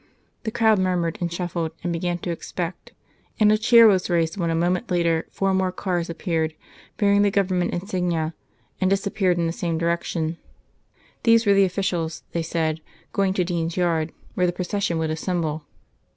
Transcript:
The crowd murmured and shuffled and began to expect, and a cheer was raised when a moment later four more cars appeared, bearing the Government insignia, and disappeared in the same direction. These were the officials, they said, going to Dean's Yard, where the procession would assemble.